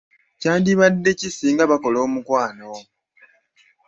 Kyandibadde ki singa bakola omukwano.